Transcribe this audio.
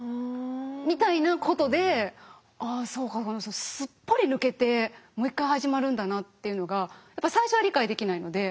みたいなことであそうかすっぽり抜けてもう一回始まるんだなっていうのがやっぱ最初は理解できないので。